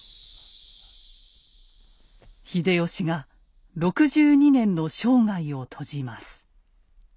秀吉が６２年の生涯を閉じます。